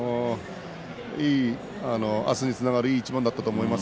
明日につながるいい一番だったと思います。